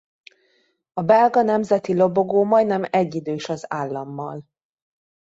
A belga nemzeti lobogó majdnem egyidős az állammal.